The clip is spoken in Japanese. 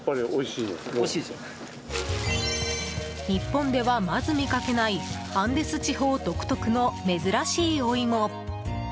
日本ではまず見かけないアンデス地方独特の珍しいお芋。